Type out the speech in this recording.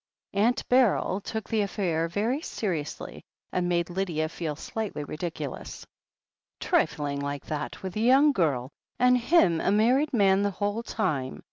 Aunt Beryl took the affair very seriously, and made Lydia feel slightly ridiculous. "Trifling like that with a young girl, and him a mar ried man the whole of the time